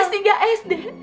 kelas tiga sd